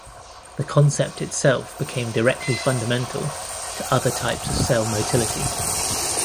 The concept itself became directly fundamental to other types of cell motility.